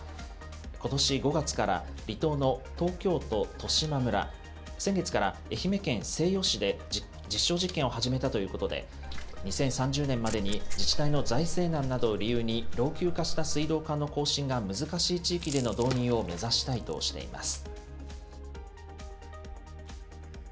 ことし５月から、離島の東京都利島村、先月から愛媛県西予市で実証実験を始めたということで、２０３０年までに自治体の財政難などを理由に老朽化した水道管の更新が難しい地域での導入を目指したいとしています。